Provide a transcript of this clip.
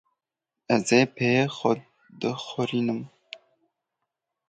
Ezê pê xwe di xwerî nim